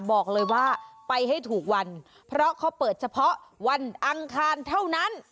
บอกเลยว่าไปให้ถูกวันเพราะเขาเปิดเฉพาะวันอังคารเท่านั้น